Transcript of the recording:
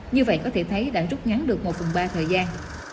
như vậy có thể thấy đã rút ngắn được một phần ba thời gian